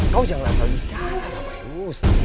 kau janganlah bicara pak mayus